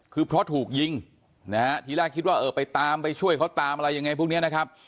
คือเพราะถูกยิงนะฮะทีแรกคิดว่าเออไปตามไปช่วยเขาตามอะไรยังไงพวกนี้นะครับ